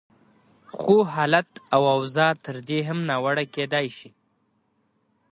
خو حالت او اوضاع تر دې هم ناوړه کېدای شي.